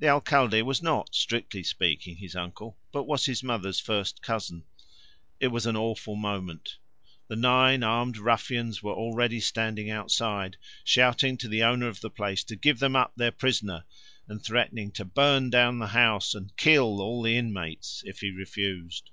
The Alcalde was not, strictly speaking, his uncle but was his mother's first cousin. It was an awful moment: the nine armed ruffians were already standing outside, shouting to the owner of the place to give them up their prisoner, and threatening to burn down the house and kill all the inmates if he refused.